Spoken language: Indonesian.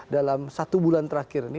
dalam satu bulan terakhir ini